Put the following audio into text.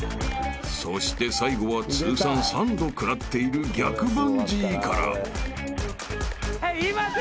［そして最後は通算３度食らっている逆バンジーから］